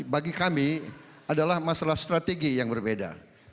bagi kami adalah masalah strategi yang berbeda